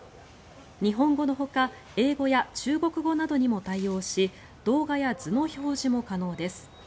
日本語のほか英語や中国語などにも対応し動画や図の表示も可能です。